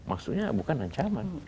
maksudnya bukan ancaman